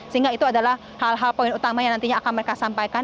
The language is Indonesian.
sehingga itu adalah hal hal poin utama yang nantinya akan mereka sampaikan